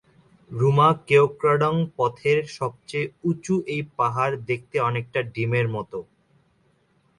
রুমা কেওক্রাডাং পথের সবচেয়ে উঁচু এই পাহাড় দেখতে অনেকটা ডিমের মতো।